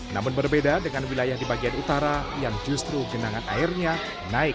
namun berbeda dengan wilayah di bagian utara yang justru genangan airnya naik